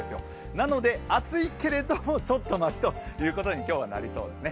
なので、暑いけれどもちょっとましということに今日はなりそうですね。